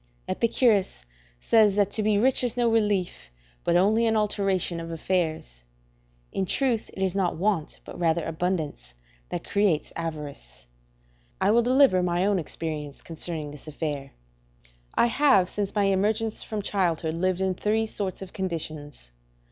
Epicurus says that to be rich is no relief, but only an alteration, of affairs. In truth, it is not want, but rather abundance, that creates avarice. I will deliver my own experience concerning this affair. I have since my emergence from childhood lived in three sorts of conditions.